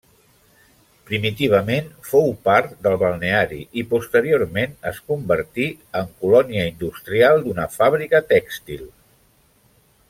Primitivament fou part del balneari i posteriorment es convertí en colònia industrial d'una fàbrica tèxtil.